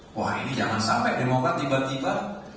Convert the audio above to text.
wah ini jangan sampai demokrat tiba tiba